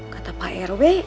kata pak rw